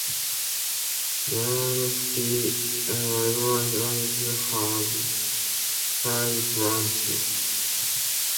Moreland City Libraries have five branches.